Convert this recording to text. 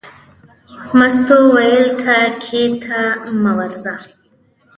مستو وویل: ته کېنه ته مه ورځه.